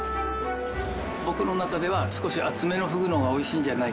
僕の中では少し厚めのフグの方が美味しいんじゃないか。